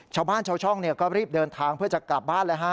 ชาวบ้านชาวช่องก็รีบเดินทางเพื่อจะกลับบ้านเลยฮะ